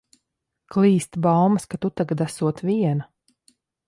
Klīst baumas, ka tu tagad esot viena.